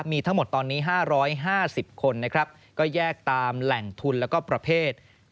มีทั้งหมดตอนนี้๕๕๐คนนะครับก็แยกตามแหล่งทุนแล้วก็ประเภท